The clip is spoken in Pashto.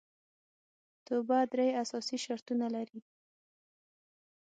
توبه درې اساسي شرطونه لري